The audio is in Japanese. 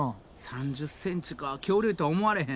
３０ｃｍか恐竜とは思われへん。